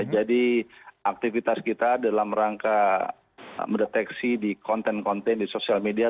jadi aktivitas kita dalam rangka mendeteksi di konten konten di sosial media